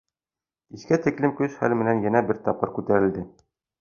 Кискә тиклем көс-хәл менән йәнә бер тапҡыр күтәрелде.